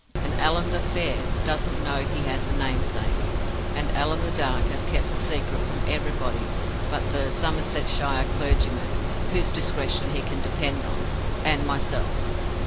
"And Allan the Fair doesn't know he has a namesake. And Allan the Dark has kept the secret from everybody but the Somersetshire clergyman (whose discretion he can depend on) and myself.